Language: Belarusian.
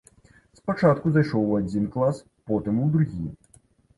Спачатку зайшоў у адзін клас, потым у другі.